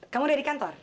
kamu udah di kantor